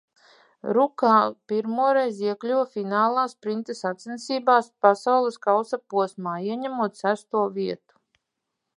Rukā pirmoreiz iekļuva finālā sprinta sacensībās Pasaules kausa posmā, ieņemot sesto vietu.